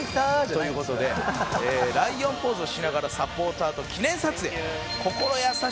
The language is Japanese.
という事でライオンポーズをしながらサポーターと記念撮影」